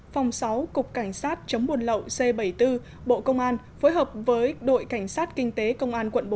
phòng sáu cục cảnh sát chống buôn lậu c bảy mươi bốn bộ công an phối hợp với đội cảnh sát kinh tế công an quận bốn